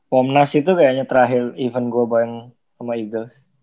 womnas itu kayaknya terakhir event gue bareng sama eagles